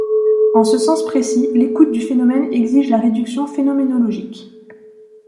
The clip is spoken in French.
En ce sens précis, l'écoute du phénomène exige la réduction phénoménologique.